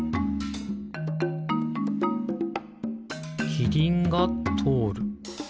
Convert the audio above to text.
キリンがとおる。